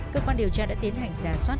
cơ quan điều tra đã tiến hành giả soát